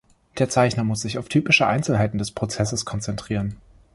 Der Zeichner muss sich auf typische Einzelheiten des Prozesses konzentrieren.